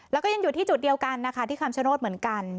แล้วก็ยังอยู่ที่จุดเดียวกันนะคะที่คำชโนธเหมือนกัน